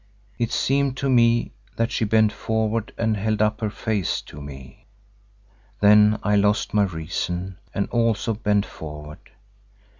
It seemed to me that she bent forward and held up her face to me. Then I lost my reason and also bent forward.